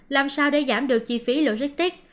làm sao để giảm được chi phí logistic